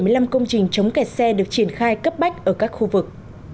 trong năm nay sẽ có bảy mươi năm công trình chống kẹt xe được triển khai cấp bách ở các khu vực